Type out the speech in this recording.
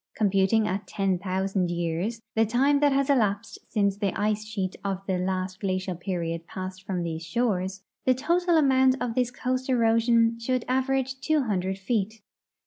Computing at ten thousand years, the time that has elapsed since the ice sheet of the last glacial period passed from these shores, the total amount of this coast erosion should average two hundred feet.